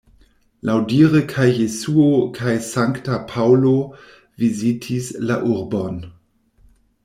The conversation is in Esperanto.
Laŭdire kaj Jesuo kaj Sankta Paŭlo vizitis la urbon.